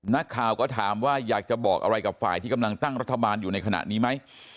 นักข่าวก็ถามว่าอยากจะบอกอะไรกับฝ่ายที่กำลังตั้งรัฐบาลอยู่ในขณะนี้ไหม